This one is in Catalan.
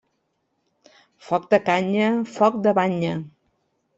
Foc de canya, foc de banya.